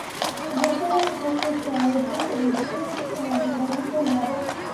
Initially, this sociology is interested in technical matters.